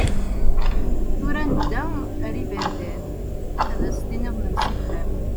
Tura, nedda ar yiberdan, Ad as-tiniḍ nemsefham.